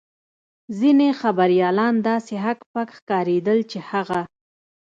ځینې خبریالان داسې هک پک ښکارېدل چې هغه.